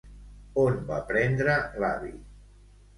On va prendre l'hàbit?